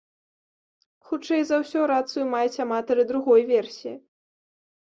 Хутчэй за ўсё, рацыю маюць аматары другой версіі.